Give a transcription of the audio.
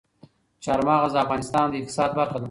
چار مغز د افغانستان د اقتصاد برخه ده.